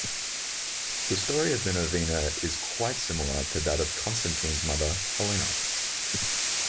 The story of Minervina is quite similar to that of Constantine's mother Helena.